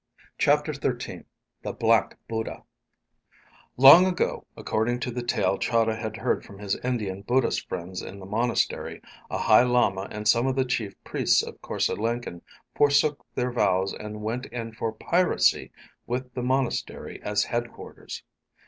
CHAPTER XIII The Black Buddha Long ago, according to the tale Chahda had heard from his Indian Buddhist friends in the monastery, a High Lama and some of the chief priests of Korse Lenken forsook their vows and went in for piracy with the monastery as headquarters.